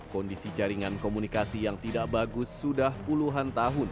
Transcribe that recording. kondisi jaringan komunikasi yang tidak bagus sudah puluhan tahun